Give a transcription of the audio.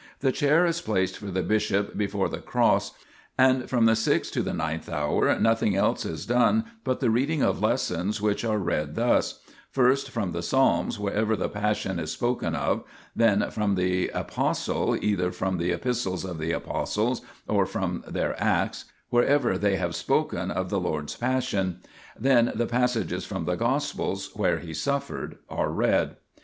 The chair is placed for the bishop before the Cross, and from the sixth to the ninth hour nothing else is done, but the reading of lessons, which are read thus : first from the psalms wherever the Passion is spoken of, then from the Apostle, either from the epistles of the Apostles or from their Acts, wherever they have spoken of the Lord's Passion ; then the passages from the Gospels, where He suffered, are read.